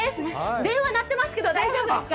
電話、鳴ってますけど、大丈夫ですか？